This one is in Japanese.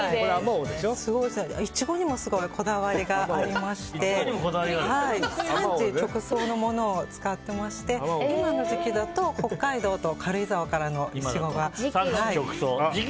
イチゴにもこだわりがありまして産地直送のものを使っていまして今の時期だと北海道と軽井沢からのイチゴが。